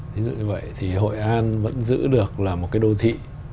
thí dụ như vậy thì hội an vẫn giữ được là một cái đô thị